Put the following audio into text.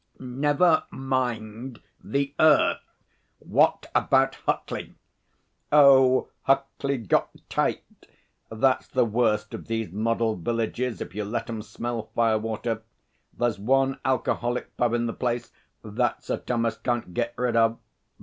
'Never mind the earth. What about Huckley?' 'Oh, Huckley got tight. That's the worst of these model villages if you let 'em smell fire water. There's one alcoholic pub in the place that Sir Thomas can't get rid of.